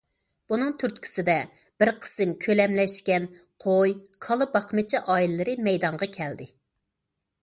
بۇنىڭ تۈرتكىسىدە بىر قىسىم كۆلەملەشكەن قوي، كالا باقمىچى ئائىلىلىرى مەيدانغا كەلدى.